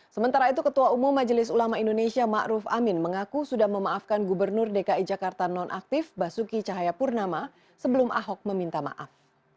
sementara itu ketua umum majelis ulama indonesia ma'ruf amin mengaku sudah memaafkan gubernur dki jakarta non aktif basuki cahayapurnama sebelum ahok meminta maaf